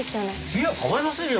いや構いませんよ。